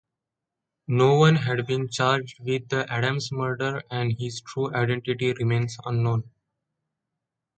No one had been charged with Adam's murder and his true identity remains unknown.